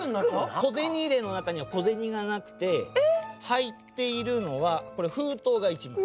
小銭入れの中には小銭がなくて入っているのはこれ封筒が１枚。